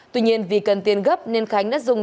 tuy nhiên vì cần tiền gấp nên khánh đã dùng